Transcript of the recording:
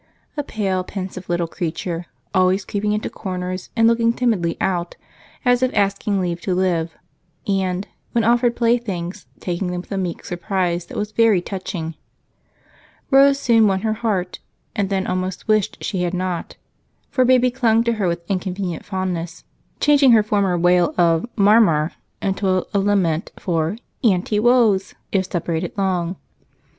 A pale, pensive little creature, always creeping into corners and looking timidly out, as if asking leave to live, and, when offered playthings, taking them with a meek surprise that was very touching. Rose soon won her heart, and then almost wished she had not, for baby clung to her with inconvenient fondness, changing her former wail of "Marmar" into a lament for "Aunty Wose" if separated long.